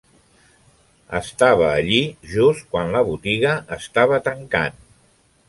Estava allí just quan la botiga estava tancant.